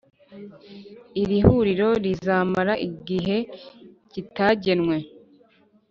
Iri huriro rizamara igihe kitagenwe